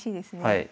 はい。